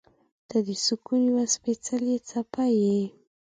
• ته د سکون یوه سپېڅلې څپه یې.